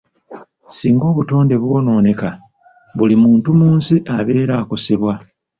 Singa obutonde bwonooneka, buli muntu mu nsi abeera akosebwa.